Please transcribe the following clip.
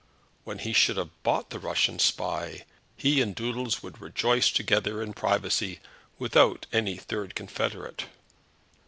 When he should have bought the Russian spy, he and Doodles would rejoice together in privacy without any third confederate.